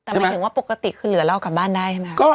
แต่หมายถึงว่าปกติคือเหลือเรากลับบ้านได้ใช่ไหมคะ